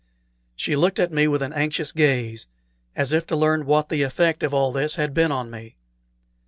She looked at me with an anxious gaze, as if to learn what the effect of all this had been on me.